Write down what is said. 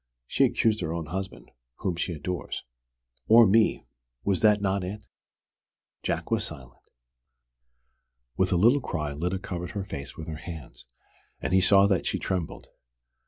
"She's accused her own husband whom she adores." "Or me! Was that not it?" Jack was silent. With a little cry Lyda covered her face with her hands, and he saw that she trembled.